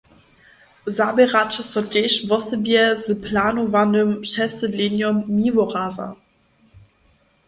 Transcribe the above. Zaběraće so tež wosebje z planowanym přesydlenjom Miłoraza.